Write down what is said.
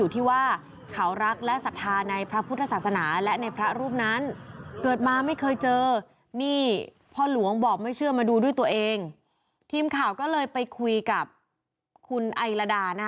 ทีมข่าวก็เลยไปคุยกับคุณไอลาดานะ